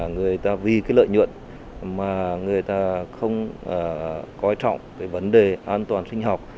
người ta vì cái lợi nhuận mà người ta không coi trọng cái vấn đề an toàn sinh học